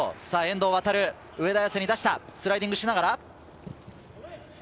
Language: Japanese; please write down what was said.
さあ遠藤航、上田綺世に出した、スライディングしながら。